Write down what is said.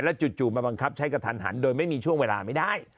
จู่มาบังคับใช้กระทันหันโดยไม่มีช่วงเวลาไม่ได้